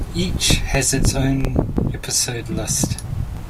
Each has its own episode list.